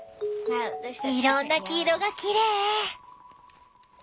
いろんな黄色がきれい！